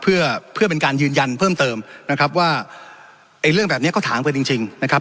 เพื่อเพื่อเป็นการยืนยันเพิ่มเติมนะครับว่าไอ้เรื่องแบบนี้ก็ถามกันจริงจริงนะครับ